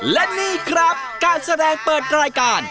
และนี่ครับการแสดงเปิดรายการ